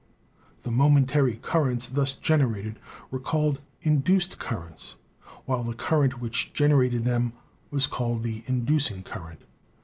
The momentary currents thus gener ated were called induced currents, while the current which generated them was called the inducing current.